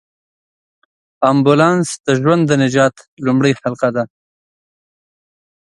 امبولانس د ژوند د نجات لومړۍ حلقه ده.